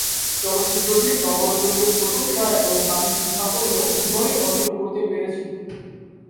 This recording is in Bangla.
চলচ্চিত্রটি সমালোচকদের প্রশংসা এবং বাণিজ্যিক সাফল্য উভয়ই অর্জন করতে পেরেছিল।